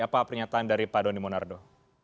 apa pernyataan dari pak doni monardo